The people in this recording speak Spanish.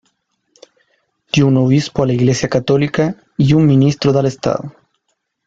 Dio un obispo a la Iglesia católica y un ministro dal Estado.